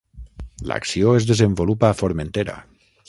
L'acció es desenvolupa a Formentera.